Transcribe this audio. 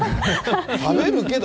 食べるけど。